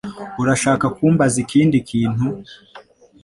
Urashaka kumbaza ikindi kintu?